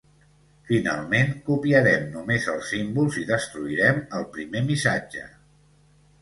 Finalment, copiarem només els símbols i destruirem el primer missatge.